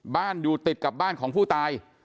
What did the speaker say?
บ้านอยู่ติดกับบ้านของผู้ตาย